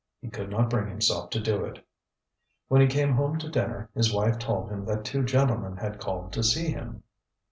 He could not bring himself to do it. When he came home to dinner, his wife told him that two gentlemen had called to see him.